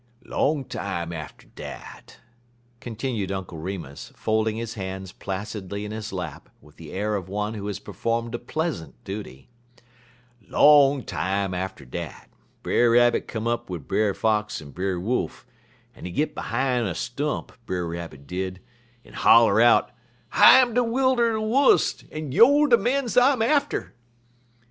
"Long time atter dat," continued Uncle Remus, folding his hands placidly in his lap, with the air of one who has performed a pleasant duty, "long time atter dat, Brer Rabbit come up wid Brer Fox en Brer Wolf, en he git behime a stump, Brer Rabbit did, en holler out: "'I'm de Wull er de Wust, en youer de mens I'm atter!'